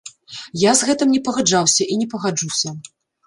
Я з гэтым не пагаджаўся і не пагаджуся.